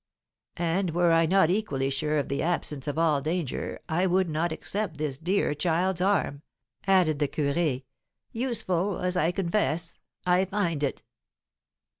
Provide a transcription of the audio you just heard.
"And, were I not equally sure of the absence of all danger, I would not accept this dear child's arm," added the curé, "useful as, I confess, I find it."